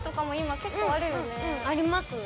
ありますね。